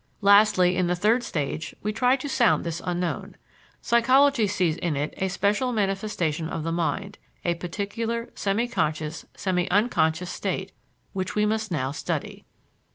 Lastly, in the third stage, we try to sound this unknown. Psychology sees in it a special manifestation of the mind, a particular, semi conscious, semi unconscious state which we must now study.